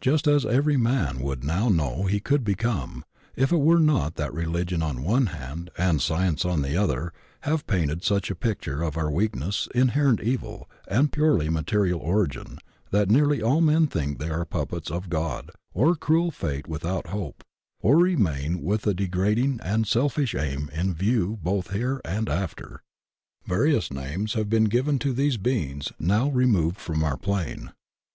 Just such as every man would now know he could become, if it were not that religion on one hand and science on the other have paint^ such a picture of our weakness, inherent evil and purely material origin that nearly all men think they are puppets of Gcd or cruel fate without hope, or remain with a de grading and selfish aim in view both here and after. Various names have been given to these beings now removed from our plane.